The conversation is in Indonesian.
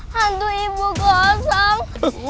hantu ibu kosong